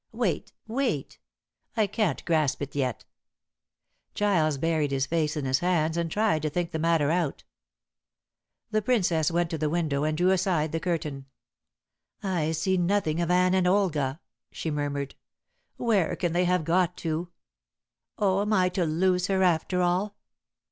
"Wait! Wait! I can't grasp it yet." Giles buried his face in his hands and tried to think the matter out. The Princess went to the window and drew aside the curtain. "I see nothing of Anne and Olga," she murmured. "Where can they have got to. Oh, am I to lose her after all?"